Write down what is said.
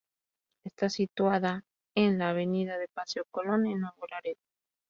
Está situada en la avenida de Paseo Colón en Nuevo Laredo.